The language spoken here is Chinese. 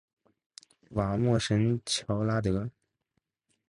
瓦莫什乔拉德。